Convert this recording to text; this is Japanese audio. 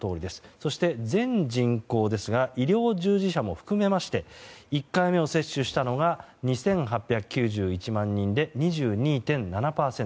そして、全人口ですが医療従事者も含めまして１回目を接種したのが２８９１万人で２２．７％。